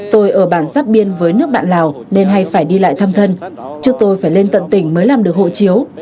tôi ở bản giáp biên với nước bạn lào nên hay phải đi lại thăm thân trước tôi phải lên tận tỉnh mới làm được hộ chiếu